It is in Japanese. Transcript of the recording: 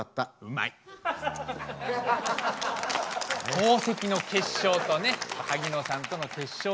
宝石の結晶とね萩野さんとの決勝戦。